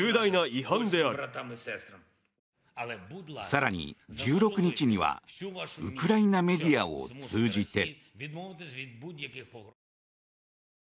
更に、１６日にはウクライナメディアを通じて。